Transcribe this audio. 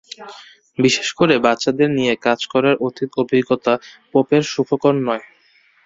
বিশেষ করে বাচ্চাদের নিয়ে কাজ করার অতীত অভিজ্ঞতা পোপের সুখকর নয়।